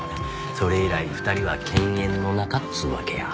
それ以来２人は犬猿の仲っつうわけや。